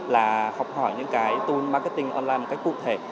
là học hỏi những cái tool marketing online một cách cụ thể